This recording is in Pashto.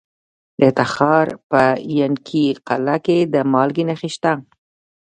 د تخار په ینګي قلعه کې د مالګې نښې شته.